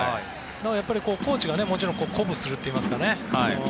コーチが鼓舞するといいますかね